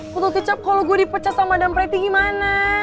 boto kecap kalo gua dipecah sama madam preti gimana